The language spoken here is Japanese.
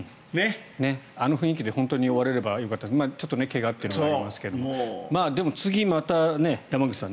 あの雰囲気で終われればよかったですけどちょっと怪我というのがありますがでもまた次、山口さん